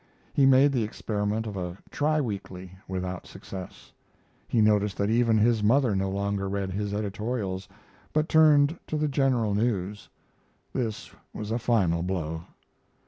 He made the experiment of a tri weekly, without success. He noticed that even his mother no longer read his editorials, but turned to the general news. This was a final blow.